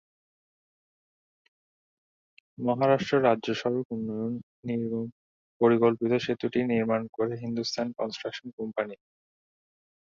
মহারাষ্ট্র রাজ্য সড়ক উন্নয়ন নিগম পরিকল্পিত সেতুটি নির্মাণ করে হিন্দুস্তান কনস্ট্রাকশন কোম্পানি।